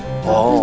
ya itu tuh bukan